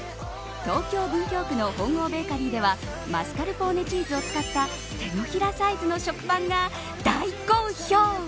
東京文京区の本郷ベーカリーではマスカルポーネチーズを使った手のひらサイズの食パンが大好評。